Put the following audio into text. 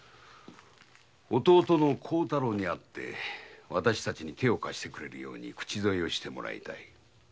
弟の孝太郎に会ってわたしたちに手を貸してくれるように口添えをしてもらいたい。